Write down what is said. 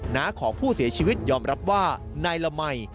น้าของผู้เสียชีวิตยอมรับว่านายละมัย